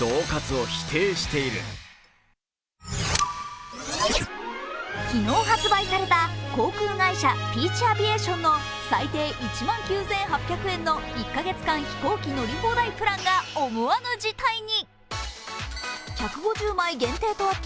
一方、泉市長は昨日発売された航空会社ピーチ・アビエーションの最低１万９８００円の１カ月間飛行機乗り放題プランが思わぬ事態に。